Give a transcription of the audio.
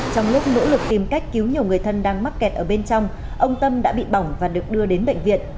trong lúc nỗ lực tìm cách cứu nhiều người thân đang mắc kẹt ở bên trong ông tâm đã bị bỏng và được đưa đến bệnh viện